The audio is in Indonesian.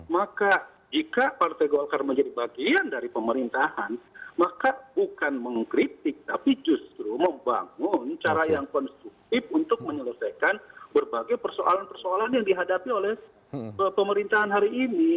maka jika partai golkar menjadi bagian dari pemerintahan maka bukan mengkritik tapi justru membangun cara yang konstruktif untuk menyelesaikan berbagai persoalan persoalan yang dihadapi oleh pemerintahan hari ini